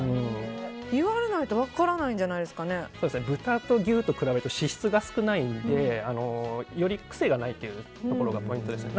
言われないと豚と牛と比べると脂質が少ないのでより癖がないというところがポイントですね。